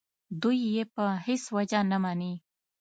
دوی یې په هېڅ وجه نه مني.